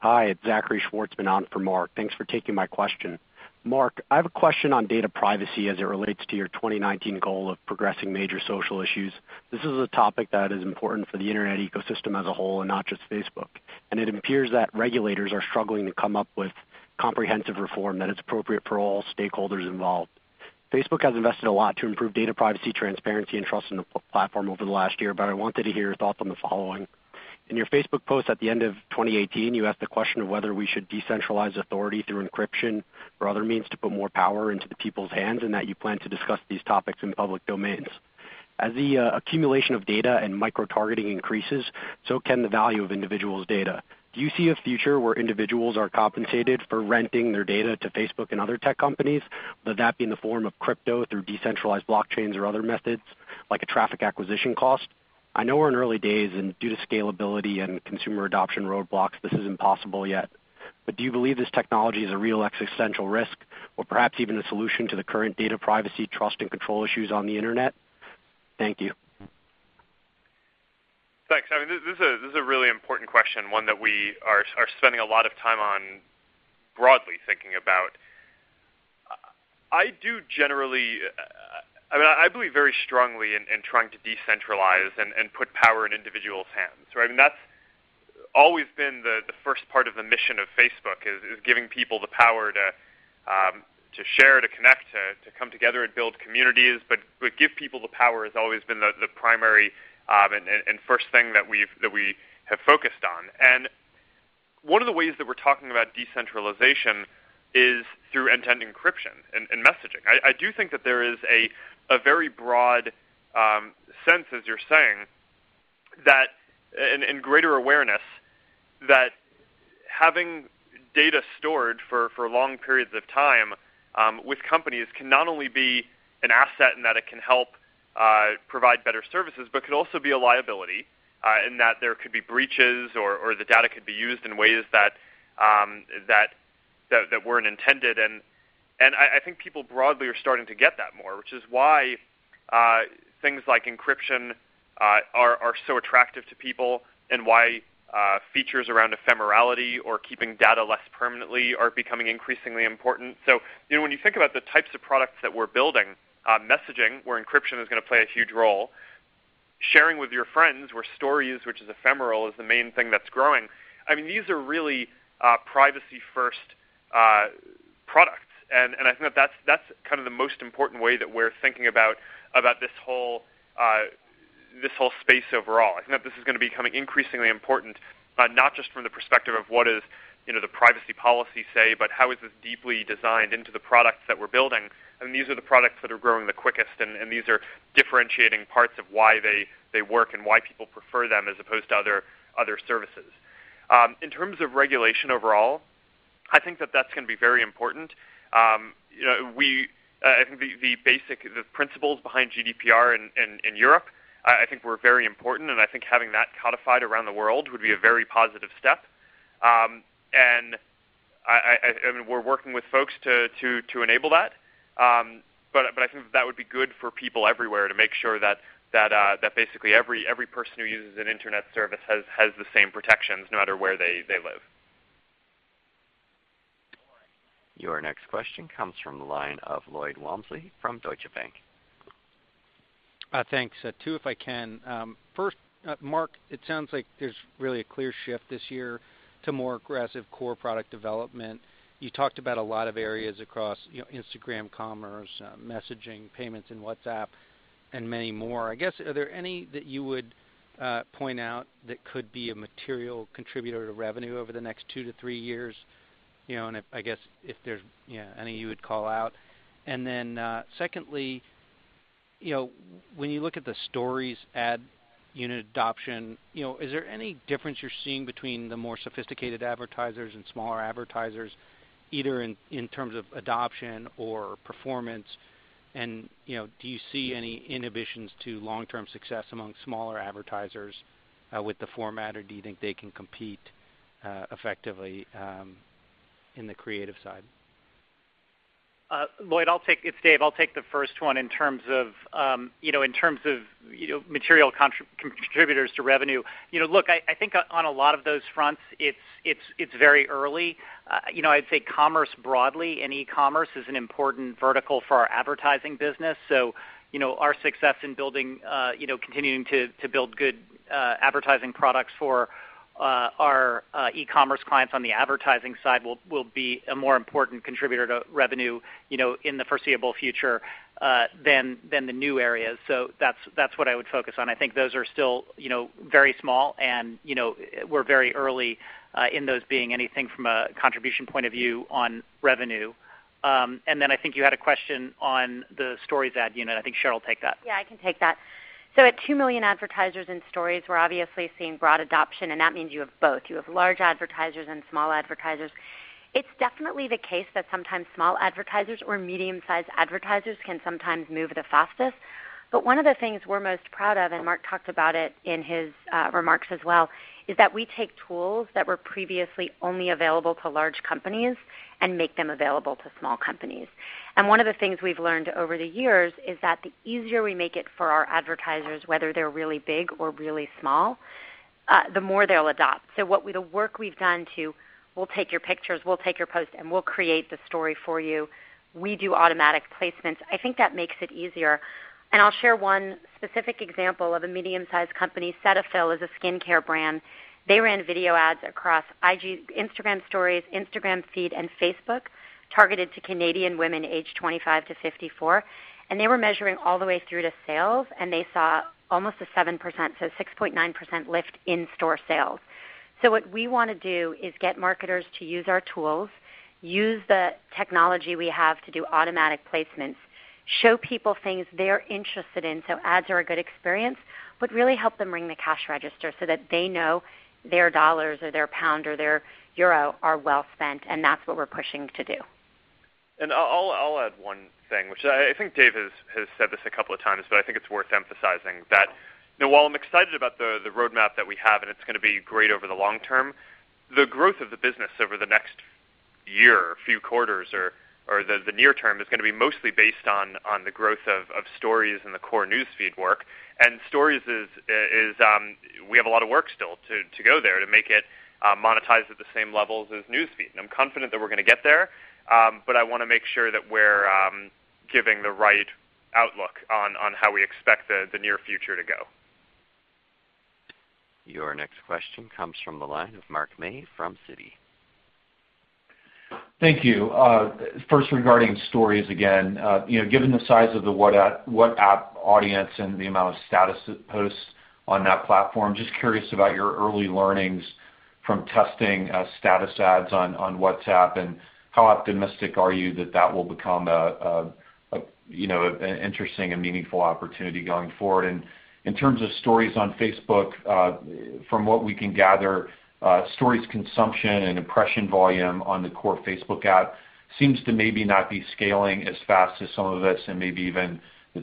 Hi, it's Zachary Schwartzman on for Mark. Thanks for taking my question. Mark, I have a question on data privacy as it relates to your 2019 goal of progressing major social issues. This is a topic that is important for the internet ecosystem as a whole, not just Facebook. It appears that regulators are struggling to come up with comprehensive reform that is appropriate for all stakeholders involved. Facebook has invested a lot to improve data privacy, transparency, and trust in the platform over the last year, I wanted to hear your thoughts on the following. In your Facebook post at the end of 2018, you asked the question of whether we should decentralize authority through encryption or other means to put more power into the people's hands, you plan to discuss these topics in public domains. As the accumulation of data and micro-targeting increases, so can the value of individuals' data. Do you see a future where individuals are compensated for renting their data to Facebook and other tech companies, whether that be in the form of crypto through decentralized blockchains or other methods, like a traffic acquisition cost? I know we're in early days, due to scalability and consumer adoption roadblocks, this is impossible yet. Do you believe this technology is a real existential risk or perhaps even a solution to the current data privacy, trust, and control issues on the internet? Thank you. Thanks. This is a really important question, one that we are spending a lot of time on broadly thinking about. I believe very strongly in trying to decentralize and put power in individuals' hands. That's always been the first part of the mission of Facebook, is giving people the power to share, to connect, to come together, and build communities. Give people the power has always been the primary and first thing that we have focused on. One of the ways that we're talking about decentralization is through end-to-end encryption and messaging. I do think that there is a very broad sense, as you're saying, and greater awareness, that having data stored for long periods of time with companies can not only be an asset in that it can help provide better services, but could also be a liability in that there could be breaches or the data could be used in ways that weren't intended. I think people broadly are starting to get that more, which is why things like encryption are so attractive to people and why features around ephemerality or keeping data less permanently are becoming increasingly important. When you think about the types of products that we're building, messaging, where encryption is going to play a huge role. Sharing with your friends, where Stories, which is ephemeral, is the main thing that's growing. These are really privacy-first products. I think that's the most important way that we're thinking about this whole space overall. I think that this is going to be becoming increasingly important, not just from the perspective of what does the privacy policy say, but how is this deeply designed into the products that we're building? These are the products that are growing the quickest. These are differentiating parts of why they work and why people prefer them as opposed to other services. In terms of regulation overall, I think that that's going to be very important. I think the principles behind GDPR in Europe, I think were very important. I think having that codified around the world would be a very positive step. We're working with folks to enable that. I think that would be good for people everywhere to make sure that basically every person who uses an internet service has the same protections no matter where they live. Your next question comes from the line of Lloyd Walmsley from Deutsche Bank. Thanks. Two, if I can. First, Mark, it sounds like there's really a clear shift this year to more aggressive core product development. You talked about a lot of areas across Instagram, commerce, messaging, payments in WhatsApp, and many more. I guess, are there any that you would point out that could be a material contributor to revenue over the next two to three years? I guess if there's any you would call out. Secondly, when you look at the Stories ad unit adoption, is there any difference you're seeing between the more sophisticated advertisers and smaller advertisers, either in terms of adoption or performance? Do you see any inhibitions to long-term success among smaller advertisers with the format, or do you think they can compete effectively on the creative side? Lloyd, it's Dave. I'll take the first one in terms of material contributors to revenue. Look, I think on a lot of those fronts, it's very early. I'd say commerce broadly and e-commerce is an important vertical for our advertising business. Our success in continuing to build good advertising products for our e-commerce clients on the advertising side will be a more important contributor to revenue in the foreseeable future than the new areas. That's what I would focus on. I think those are still very small, and we're very early in those being anything from a contribution point of view on revenue. Then I think you had a question on the Stories ad unit. I think Sheryl will take that. Yeah, I can take that. At 2 million advertisers in Stories, we're obviously seeing broad adoption, and that means you have both. You have large advertisers and small advertisers. It's definitely the case that sometimes small advertisers or medium-sized advertisers can sometimes move the fastest. One of the things we're most proud of, and Mark talked about it in his remarks as well, is that we take tools that were previously only available to large companies and make them available to small companies. One of the things we've learned over the years is that the easier we make it for our advertisers, whether they're really big or really small, the more they'll adopt. With the work we've done to, we'll take your pictures, we'll take your post, and we'll create the story for you. We do automatic placements. I think that makes it easier. I'll share one specific example of a medium-sized company. Cetaphil is a skincare brand. They ran video ads across Instagram Stories, Instagram feed, and Facebook targeted to Canadian women aged 25 to 54. They were measuring all the way through to sales, and they saw almost a 7%, so 6.9% lift in store sales. What we want to do is get marketers to use our tools, use the technology we have to do automatic placements, show people things they're interested in, so ads are a good experience, but really help them ring the cash register so that they know their dollars or their pound or their euro are well spent, and that's what we're pushing to do. I'll add one thing, which I think Dave has said this a couple of times, but I think it's worth emphasizing that while I'm excited about the roadmap that we have, and it's going to be great over the long term, the growth of the business over the next year or few quarters or the near term is going to be mostly based on the growth of Stories and the core News Feed work. Stories is, we have a lot of work still to go there to make it monetize at the same levels as News Feed. I'm confident that we're going to get there. I want to make sure that we're giving the right outlook on how we expect the near future to go. Your next question comes from the line of Mark May from Citi. Thank you. First, regarding Stories again. Given the size of the WhatsApp audience and the amount of status it posts on that platform, just curious about your early learnings from testing status ads on WhatsApp and how optimistic are you that that will become an interesting and meaningful opportunity going forward? In terms of Stories on Facebook, from what we can gather, Stories consumption and impression volume on the core Facebook app seems to maybe not be scaling as fast as some of us and maybe even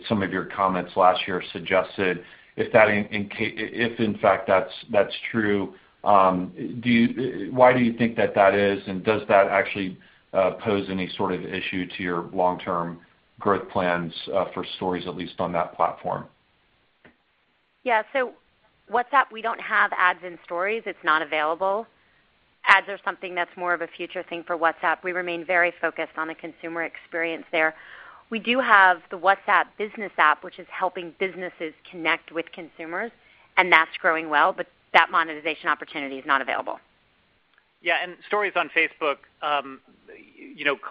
some of your comments last year suggested. If in fact that's true, why do you think that that is, and does that actually pose any sort of issue to your long-term growth plans for Stories, at least on that platform? Yeah. WhatsApp, we don't have ads in Stories. It's not available. Ads are something that's more of a future thing for WhatsApp. We remain very focused on the consumer experience there. We do have the WhatsApp business app, which is helping businesses connect with consumers, and that's growing well, but that monetization opportunity is not available. Yeah. Stories on Facebook.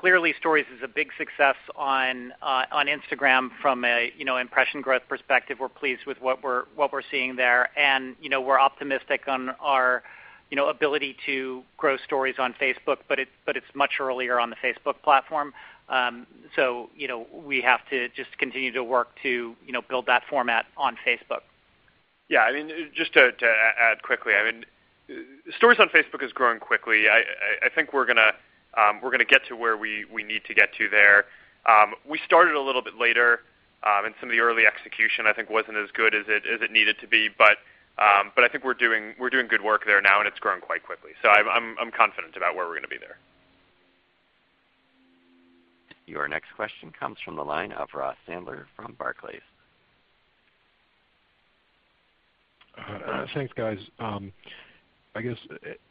Clearly Stories is a big success on Instagram from an impression growth perspective. We're pleased with what we're seeing there, and we're optimistic on our ability to grow Stories on Facebook, but it's much earlier on the Facebook platform. We have to just continue to work to build that format on Facebook. Yeah, just to add quickly, Stories on Facebook is growing quickly. I think we're going to get to where we need to get to there. We started a little bit later, and some of the early execution, I think, wasn't as good as it needed to be. I think we're doing good work there now, and it's growing quite quickly. I'm confident about where we're going to be there. Your next question comes from the line of Ross Sandler from Barclays. Thanks, guys. I guess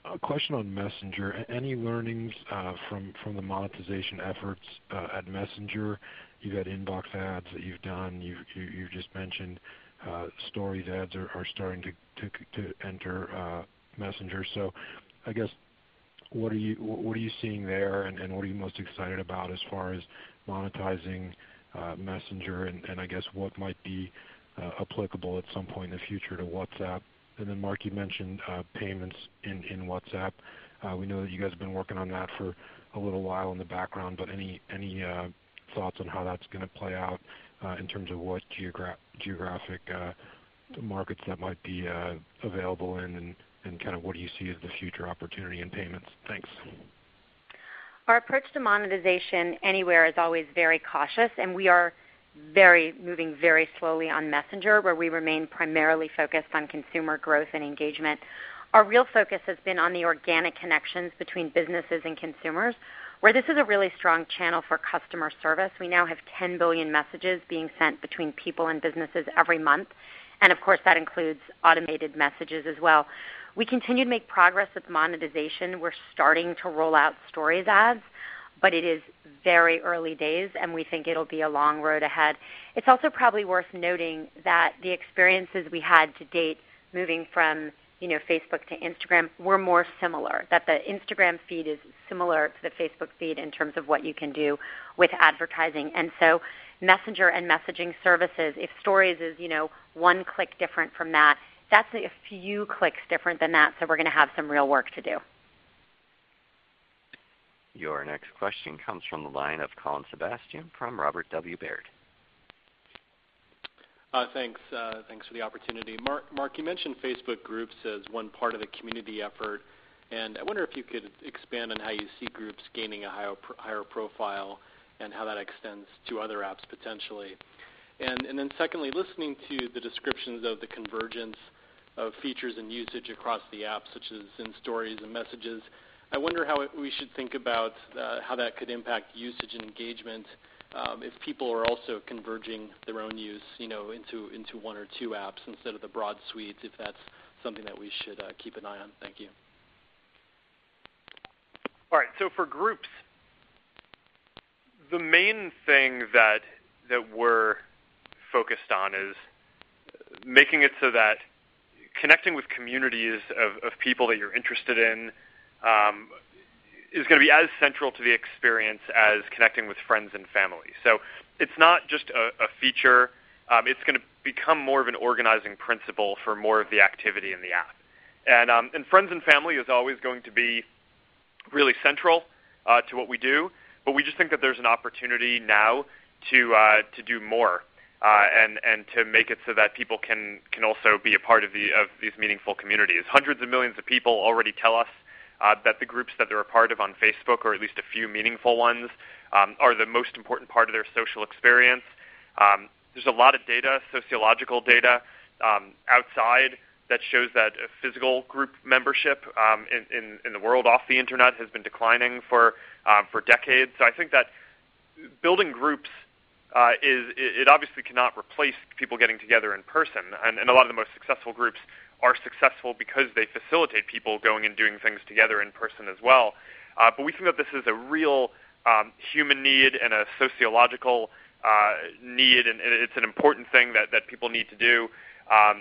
a question on Messenger. Any learnings from the monetization efforts at Messenger? You got inbox ads that you've done. You just mentioned Stories ads are starting to enter Messenger. I guess, what are you seeing there, and what are you most excited about as far as monetizing Messenger? I guess what might be applicable at some point in the future to WhatsApp? Mark, you mentioned payments in WhatsApp. We know that you guys have been working on that for a little while in the background, but any thoughts on how that's going to play out in terms of what geographic markets that might be available in, and kind of what do you see as the future opportunity in payments? Thanks. Our approach to monetization anywhere is always very cautious. We are moving very slowly on Messenger, where we remain primarily focused on consumer growth and engagement. Our real focus has been on the organic connections between businesses and consumers, where this is a really strong channel for customer service. We now have 10 billion messages being sent between people and businesses every month. Of course, that includes automated messages as well. We continue to make progress with monetization. We're starting to roll out Stories ads, but it is very early days. We think it'll be a long road ahead. It's also probably worth noting that the experiences we had to date moving from Facebook to Instagram were more similar, that the Instagram feed is similar to the Facebook feed in terms of what you can do with advertising. Messenger and messaging services, if Stories is one click different from that's a few clicks different than that. We're going to have some real work to do. Your next question comes from the line of Colin Sebastian from Robert W. Baird. Thanks for the opportunity. Mark, you mentioned Facebook Groups as one part of the community effort. I wonder if you could expand on how you see Groups gaining a higher profile and how that extends to other apps potentially. Secondly, listening to the descriptions of the convergence of features and usage across the app, such as in Stories and Messages, I wonder how we should think about how that could impact usage and engagement if people are also converging their own use into one or two apps instead of the broad suite, if that's something that we should keep an eye on. Thank you. All right. For Groups, the main thing that we're focused on is making it so that connecting with communities of people that you're interested in is going to be as central to the experience as connecting with friends and family. It's not just a feature. It's going to become more of an organizing principle for more of the activity in the app. Friends and family is always going to be really central to what we do, but we just think that there's an opportunity now to do more, and to make it so that people can also be a part of these meaningful communities. Hundreds of millions of people already tell us that the groups that they're a part of on Facebook, or at least a few meaningful ones, are the most important part of their social experience. There's a lot of data, sociological data, outside that shows that a physical group membership in the world off the internet has been declining for decades. I think that building groups obviously cannot replace people getting together in person. A lot of the most successful groups are successful because they facilitate people going and doing things together in person as well. We think that this is a real human need and a sociological need, and it's an important thing that people need to do. I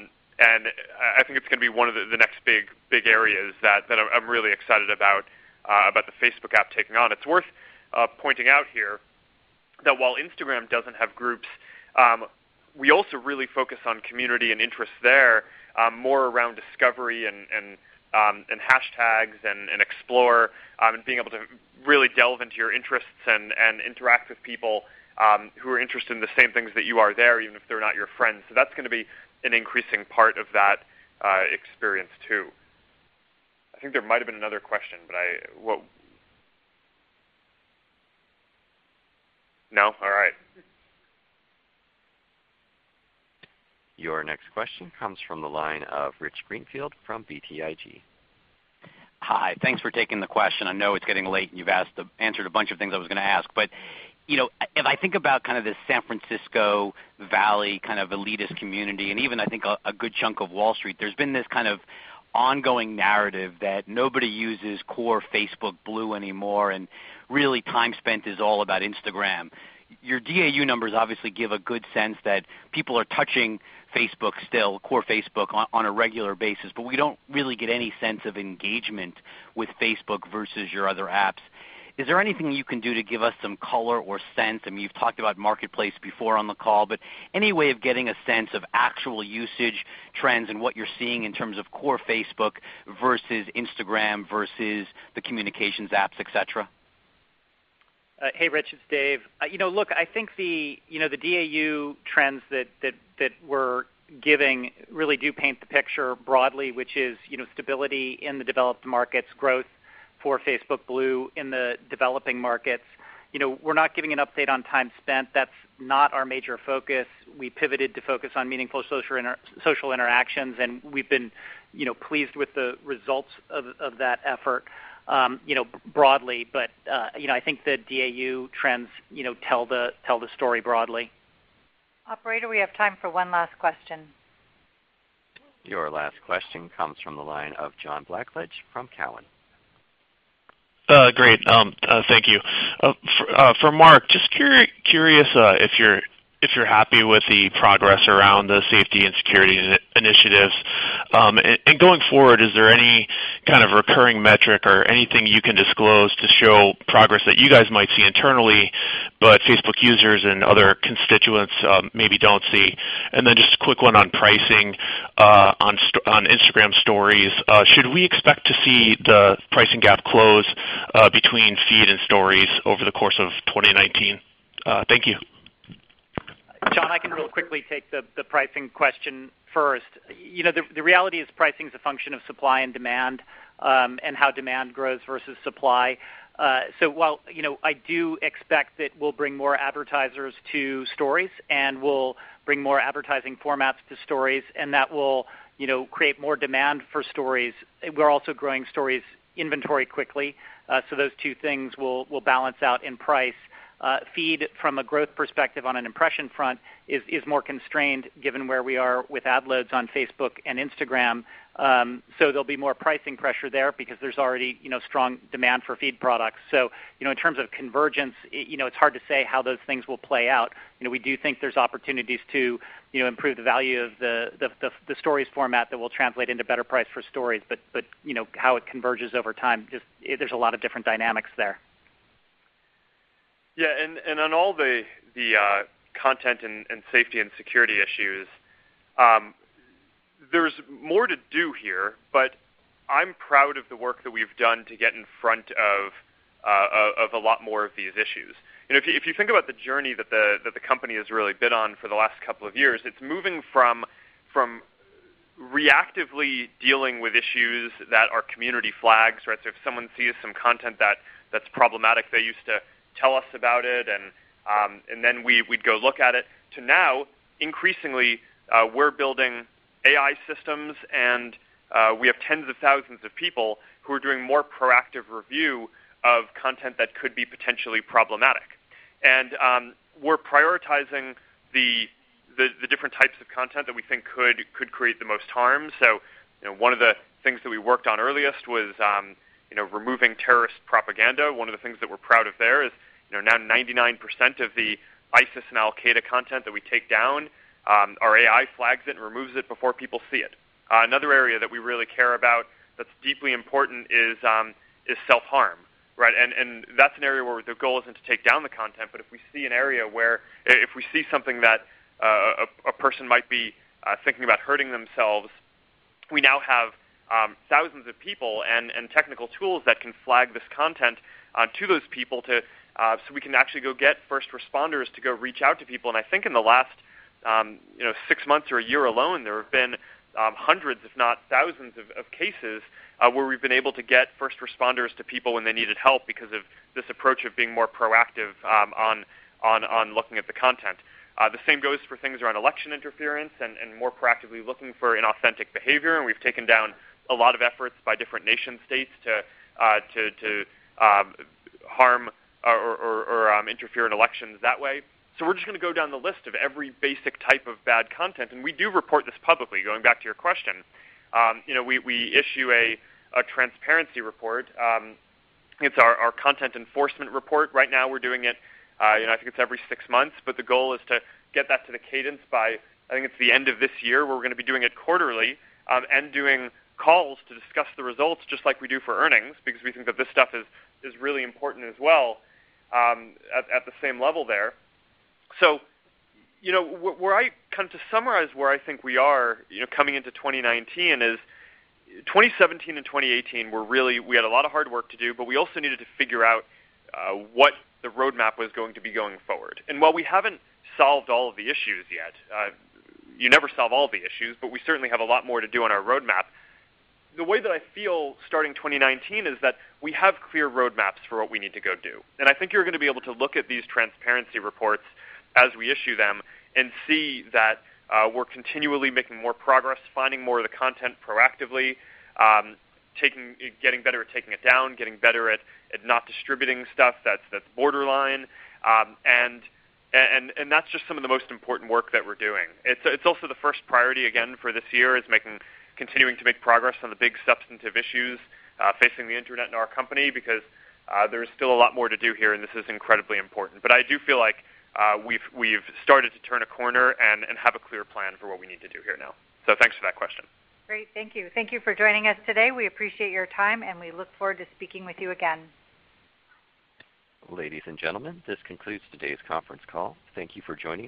think it's going to be one of the next big areas that I'm really excited about the Facebook app taking on. It's worth pointing out here that while Instagram doesn't have groups, we also really focus on community and interest there, more around discovery and hashtags and explore, and being able to really delve into your interests and interact with people who are interested in the same things that you are there, even if they're not your friends. That's going to be an increasing part of that experience, too. I think there might have been another question. No? All right. Your next question comes from the line of Rich Greenfield from BTIG. Hi. Thanks for taking the question. I know it's getting late, and you've answered a bunch of things I was going to ask. If I think about kind of the Silicon Valley kind of elitist community, and even I think a good chunk of Wall Street, there's been this kind of ongoing narrative that nobody uses core Facebook Blue anymore, and really time spent is all about Instagram. Your DAU numbers obviously give a good sense that people are touching Facebook still, core Facebook, on a regular basis, but we don't really get any sense of engagement with Facebook versus your other apps. Is there anything you can do to give us some color or sense? I mean, you've talked about Marketplace before on the call, but any way of getting a sense of actual usage trends and what you're seeing in terms of core Facebook versus Instagram versus the communications apps, et cetera? Hey, Rich, it's Dave. Look, I think the DAU trends that we're giving really do paint the picture broadly, which is stability in the developed markets, growth for Facebook Blue in the developing markets. We're not giving an update on time spent. That's not our major focus. We pivoted to focus on meaningful social interactions, and we've been pleased with the results of that effort broadly. I think the DAU trends tell the story broadly. Operator, we have time for one last question. Your last question comes from the line of John Blackledge from Cowen. Great. Thank you. For Mark, just curious if you're happy with the progress around the safety and security initiatives. Going forward, is there any kind of recurring metric or anything you can disclose to show progress that you guys might see internally, but Facebook users and other constituents maybe don't see? Then just a quick one on pricing on Instagram Stories. Should we expect to see the pricing gap close between feed and Stories over the course of 2019? Thank you. John, I can real quickly take the pricing question first. The reality is pricing's a function of supply and demand, and how demand grows versus supply. While I do expect that we'll bring more advertisers to Stories and we'll bring more advertising formats to Stories and that will create more demand for Stories, we're also growing Stories inventory quickly. Those two things will balance out in price. Feed, from a growth perspective on an impression front, is more constrained given where we are with ad loads on Facebook and Instagram. There'll be more pricing pressure there because there's already strong demand for feed products. In terms of convergence, it's hard to say how those things will play out. We do think there's opportunities to improve the value of the Stories format that will translate into better price for Stories. How it converges over time, there's a lot of different dynamics there. Yeah. On all the content and safety and security issues, there's more to do here, but I'm proud of the work that we've done to get in front of a lot more of these issues. If you think about the journey that the company has really been on for the last couple of years, it's moving from reactively dealing with issues that are community flags, if someone sees some content that's problematic, they used to tell us about it, and then we'd go look at it, to now, increasingly, we're building AI systems, and we have tens of thousands of people who are doing more proactive review of content that could be potentially problematic. We're prioritizing the different types of content that we think could create the most harm. One of the things that we worked on earliest was removing terrorist propaganda. One of the things that we're proud of there is. Now 99% of the ISIS and Al-Qaeda content that we take down, our AI flags it and removes it before people see it. Another area that we really care about that's deeply important is self-harm. That's an area where the goal isn't to take down the content, but if we see something that a person might be thinking about hurting themselves, we now have thousands of people and technical tools that can flag this content to those people so we can actually go get first responders to go reach out to people. I think in the last six months or a year alone, there have been hundreds, if not thousands of cases, where we've been able to get first responders to people when they needed help because of this approach of being more proactive on looking at the content. The same goes for things around election interference and more proactively looking for inauthentic behavior, and we've taken down a lot of efforts by different nation states to harm or interfere in elections that way. We're just going to go down the list of every basic type of bad content, and we do report this publicly, going back to your question. We issue a transparency report. It's our content enforcement report. Right now we're doing it, I think it's every six months, but the goal is to get that to the cadence by, I think it's the end of this year, where we're going to be doing it quarterly, and doing calls to discuss the results just like we do for earnings, because we think that this stuff is really important as well at the same level there. To summarize where I think we are coming into 2019 is 2017 and 2018, we had a lot of hard work to do, but we also needed to figure out what the roadmap was going to be going forward. While we haven't solved all of the issues yet, you never solve all the issues, but we certainly have a lot more to do on our roadmap. The way that I feel starting 2019 is that we have clear roadmaps for what we need to go do. I think you're going to be able to look at these transparency reports as we issue them and see that we're continually making more progress, finding more of the content proactively, getting better at taking it down, getting better at not distributing stuff that's borderline. That's just some of the most important work that we're doing. It's also the first priority, again, for this year is continuing to make progress on the big substantive issues facing the internet and our company, because there's still a lot more to do here, and this is incredibly important. I do feel like we've started to turn a corner and have a clear plan for what we need to do here now. Thanks for that question. Great. Thank you. Thank you for joining us today. We appreciate your time, and we look forward to speaking with you again. Ladies and gentlemen, this concludes today's conference call. Thank you for joining.